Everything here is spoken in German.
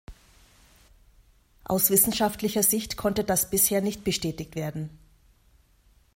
Aus wissenschaftlicher Sicht konnte das bisher nicht bestätigt werden.